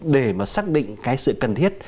để xác định sự cần thiết